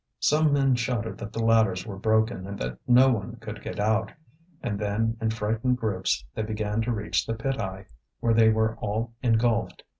Some men shouted that the ladders were broken and that no one could get out. And then in frightened groups they began to reach the pit eye, where they were all engulfed.